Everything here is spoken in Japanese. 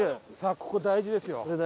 ここ大事ですよ。